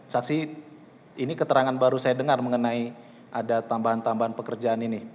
saksi ini keterangan baru saya dengar mengenai ada tambahan tambahan pekerjaan ini